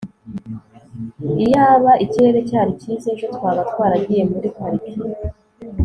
iyaba ikirere cyari cyiza ejo, twaba twaragiye muri pariki